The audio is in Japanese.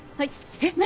えっ何！？